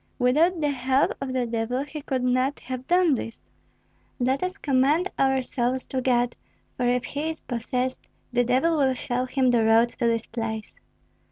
Without the help of the devil he could not have done this." "Let us commend our souls to God; for if he is possessed, the devil will show him the road to this place."